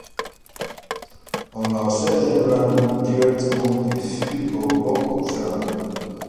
On la sert généralement directement du fût au bock en céramique.